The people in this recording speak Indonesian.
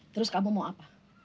terus kamu mau apa